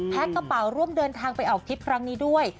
กระเป๋าร่วมเดินทางไปออกทริปครั้งนี้ด้วย